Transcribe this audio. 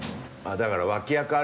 だから。